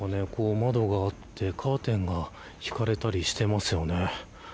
窓があってカーテンがひかれたりしています。